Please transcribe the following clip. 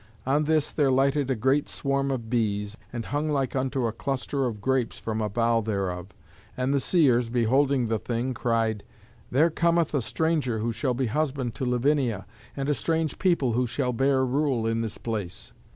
On this there lighted a great swarm of bees, and hung like unto a cluster of grapes from a bough thereof. And the seers, beholding the thing, cried, "There cometh a stranger who shall be husband to Lavinia, and a strange people who shall bear rule in this place."